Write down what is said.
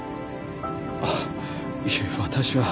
あっいえ私は